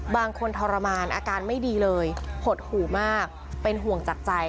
ทรมานอาการไม่ดีเลยหดหู่มากเป็นห่วงจากใจ